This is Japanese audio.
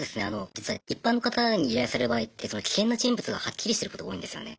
実は一般の方に依頼される場合って危険な人物がはっきりしてることが多いんですよね。